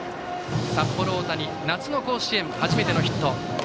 札幌大谷、夏の甲子園初めてのヒット。